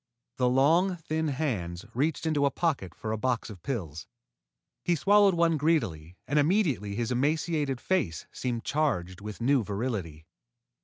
The long, thin hands reached into a pocket for a box of pills. He swallowed one greedily, and immediately his emaciated face seemed charged with new virility.